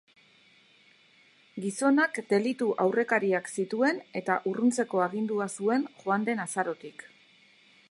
Gizonak delitu-aurrekariak zituen eta urruntzeko agindua zuen joan den azarotik.